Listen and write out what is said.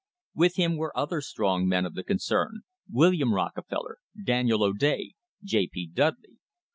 With him were other strong men of the concern, William Rockefeller, Daniel O'Day, J. P. Dudley.